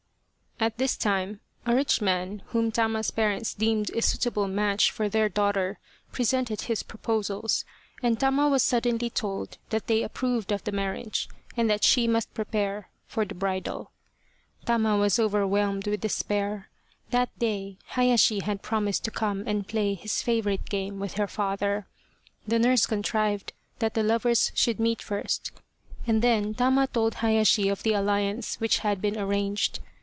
At this time a rich man whom Tama's parents deemed a suitable match for their daughter presented his proposals, and Tama was suddenly told that they approved of the marriage and that she must prepare for the bridal. Tama was overwhelmed with despair. That day Hayashi had promised to come and play his favourite game with her father. The nurse contrived that the lovers should meet first, and then Tama told Hayashi of the alliance which had been arranged.